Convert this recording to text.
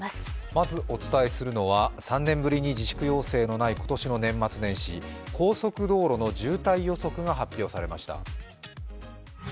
まずお伝えするのは３年ぶりに自粛要請のない今年の年末年始、高速道路の渋滞予測が発表されました。